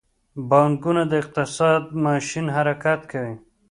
پانګونه د اقتصاد ماشین حرکت کوي.